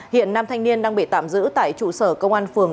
hiện nam thanh niên đang bị tạm giữ tại trụ sở công an phường